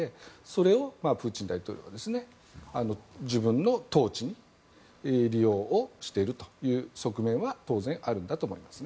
それをプーチン大統領が自分の統治に利用しているそういう側面は当然、あるんだと思います。